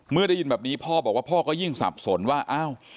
เมื่อได้ยินแบบนี้พ่อบอกว่าพ่อก็ยิ่งสับสนว่า